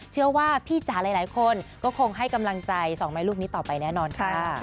เชื่อว่าพี่จ๋าหลายคนก็คงให้กำลังใจสองแม่ลูกนี้ต่อไปแน่นอนค่ะ